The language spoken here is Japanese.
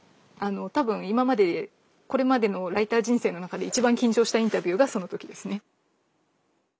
多分今までこれまでのライター人生の中で一番緊張したインタビューがその時ですね。